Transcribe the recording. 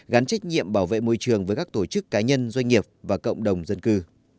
gắn trách nhiệm bảo vệ môi trường với các tổ chức cá nhân doanh nghiệp và cộng đồng dân cư